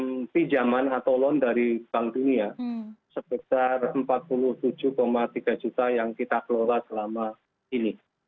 dengan pinjaman atau loan dari bank dunia sebesar rp empat puluh tujuh tiga juta yang kita kelola selama ini